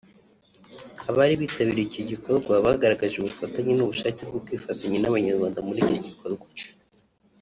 Abari bitabiriye icyo igikorwa bagaragaje ubufatanye n’ubushake bwo kwifatanya n’Abanyarwanda muri icyo gikorwa